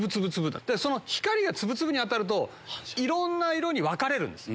その光が粒々に当たるといろんな色に分かれるんです。